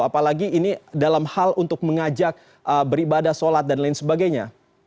apalagi ini dalam hal untuk mengajak beribadah sholat dan lain sebagainya